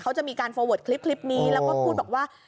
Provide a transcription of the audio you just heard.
เขาจะมีการคลิปนี้แล้วก็พูดบอกว่า